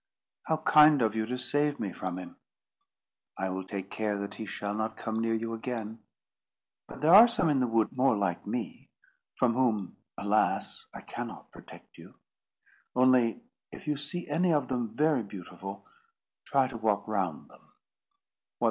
"How kind of you to save me from him!" "I will take care that he shall not come near you again. But there are some in the wood more like me, from whom, alas! I cannot protect you. Only if you see any of them very beautiful, try to walk round them."